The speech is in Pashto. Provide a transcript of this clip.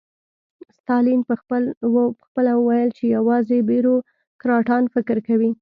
ستالین پخپله ویل چې یوازې بیروکراټان فکر کوي